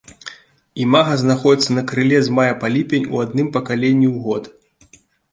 Імага знаходзяцца на крыле з мая па ліпень у адным пакаленні ў год.